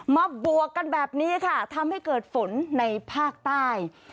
บวกกันแบบนี้ค่ะทำให้เกิดฝนในภาคใต้